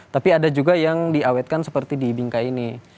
tapi ada juga yang diawetkan seperti di bingkai ini